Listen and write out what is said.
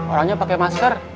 orangnya pakai masker